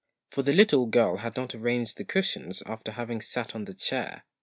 for the little girl had not arranged the cushions after having sat on the chair.